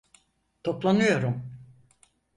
Toplanıyorum.